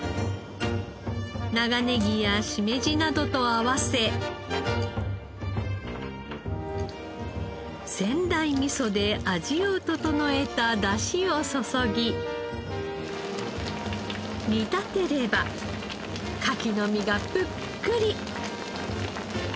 長ネギやシメジなどと合わせ仙台みそで味を調えただしを注ぎ煮立てればカキの身がぷっくり。